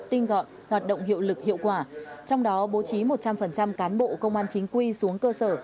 tinh gọn hoạt động hiệu lực hiệu quả trong đó bố trí một trăm linh cán bộ công an chính quy xuống cơ sở